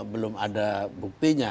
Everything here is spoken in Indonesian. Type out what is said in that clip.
belum ada buktinya